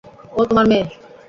ও তোমার মেয়ে!